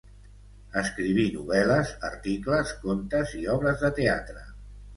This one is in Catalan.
Escriví novel·les, articles, contes i obres de teatre.